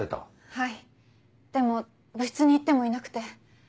・はいでも部室に行ってもいなくて。